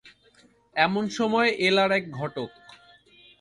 এমন সময়ে এল আর-এক ঘটক।